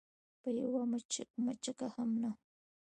په یوه مچکه هم نه.